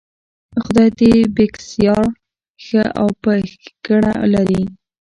خدای دې بېکسیار ښه او په ښېګړه لري.